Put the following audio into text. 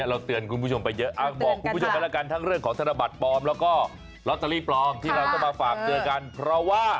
เราเสือนคุณผู้ชมไปเยอะ